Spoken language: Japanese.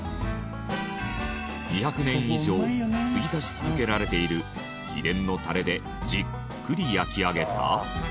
２００年以上継ぎ足し続けられている秘伝のタレでじっくり焼き上げた。